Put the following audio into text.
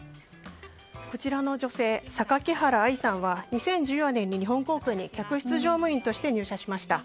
こちらの女性、榊原愛さんは２０１４年に客室乗務員として入社しました。